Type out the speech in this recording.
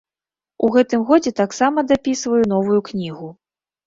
У гэтым годзе таксама дапісваю новую кнігу.